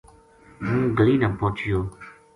ہوں گلی نا پوہچیو